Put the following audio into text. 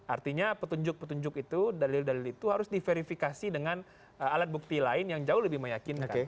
artinya petunjuk petunjuk itu dalil dalil itu harus diverifikasi dengan alat bukti lain yang jauh lebih meyakinkan